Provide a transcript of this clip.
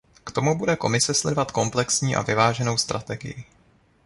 K tomu bude Komise sledovat komplexní a vyváženou strategii.